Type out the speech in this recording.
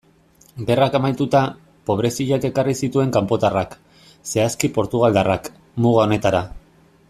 Gerrak amaituta, pobreziak ekarri zituen kanpotarrak, zehazki portugaldarrak, muga honetara.